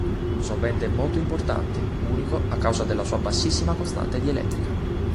È un solvente molto importante, unico a causa della sua bassissima costante dielettrica.